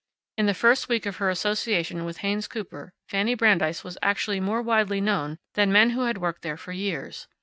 In the first week of her association with Haynes Cooper Fanny Brandeis was actually more widely known than men who had worked there for years.